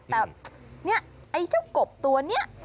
แต่เนี่ยไอ้เจ้ากบตัวนี้